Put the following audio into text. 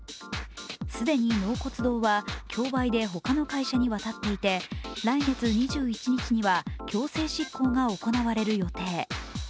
既に納骨堂は競売で他の会社に渡っていて来月２１日には強制執行が行われる予定。